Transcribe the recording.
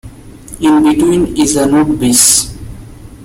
In between is a nude beach.